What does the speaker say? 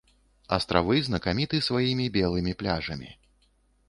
Астравы знакаміты сваімі белымі пляжамі.